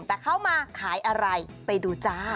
แต่เข้ามาขายอะไรไปดูจ้า